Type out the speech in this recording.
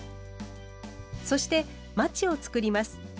そしてマチを作ります。